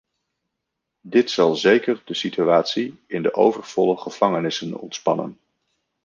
Dit zal zeker de situatie in de overvolle gevangenissen ontspannen.